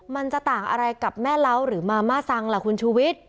มันจะต่างอะไรกับแม่เล้าหรือมาม่าซังล่ะคุณชูวิทย์